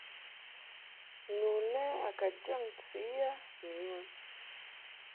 Nu le a ka jaŋ ntɨ a mi mɨ.